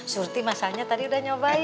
surti masanya tadi udah nyobain